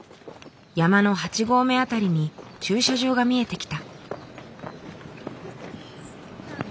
山の８合目辺りに駐車場が見えてきた。